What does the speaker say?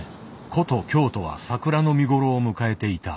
古都京都は桜の見頃を迎えていた。